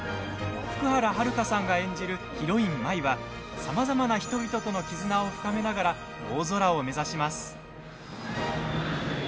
福原遥さんが演じるヒロイン、舞はさまざまな人々との絆を深めながら大空を目指します。